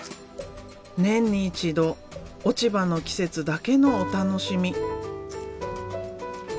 年に一度落ち葉の季節だけのお楽しみ。